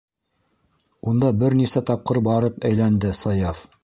Унда бер нисә тапҡыр барып әйләнде Саяф.